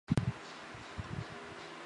据说目前日本存有河童的木乃伊。